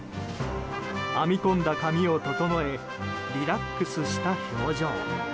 編み込んだ髪を整えリラックスした表情。